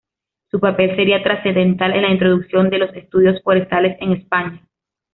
Su papel sería trascendental en la introducción de los estudios forestales en España.